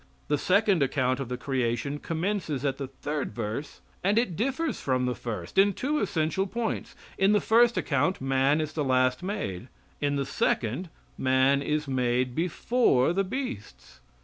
The second account of the creation commences at the third verse and it differs from the first in two essential points. In the first account man is the last made; in the second man is made before the beasts.